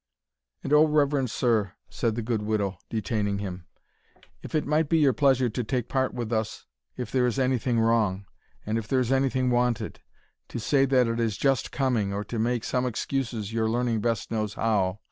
"And O, reverend sir," said the good widow, detaining him, "if it might be your pleasure to take part with us if there is any thing wrong; and if there is any thing wanted, to say that it is just coming, or to make some excuses your learning best knows how.